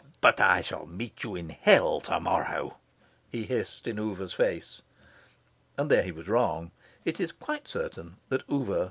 "But I shall meet you in Hell to morrow," he hissed in Oover's face. And there he was wrong. It is quite certain that Oover went to Heaven.